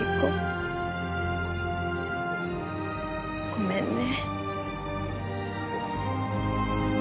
ごめんね。